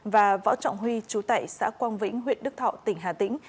và võ trọng huy chú tại xã quang vĩnh huyện đức thọ tỉnh hà tĩnh